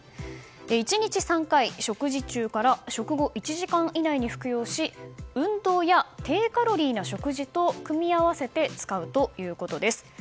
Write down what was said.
１日３回、食事中から食後１時間以内に服用し運動や低カロリーな食事と組み合わせて使うということです。